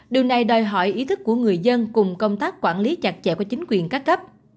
điều này đòi hỏi ý thức của người dân cùng công tác quản lý chặt chẽ của chính quyền các cấp